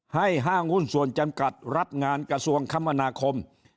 ให้ห้างวุ่นส่วนจำกัดรัฐงานกระทรวงคมณคม